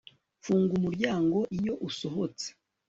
Funga umuryango iyo usohotse